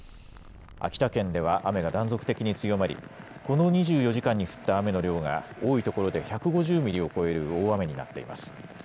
秋田県では雨が断続的に強まり、この２４時間に降った雨の量が多い所で１５０ミリを超える大雨になっています。